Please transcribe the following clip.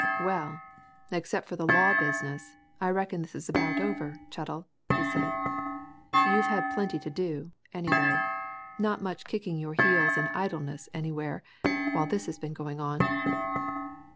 "Well except for the law business I reckon this is about over, Chettle," he said. "You've had plenty to do, anyway not much kicking your heels in idleness anywhere, while this has been going on!"